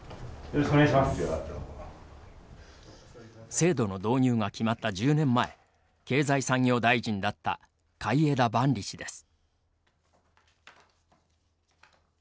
制度の導入が決まった１０年前経済産業大臣だった海江田万里氏です。